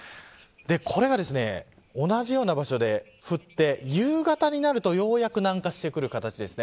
これが同じような場所で降って夕方になるとようやく南下してくる形です。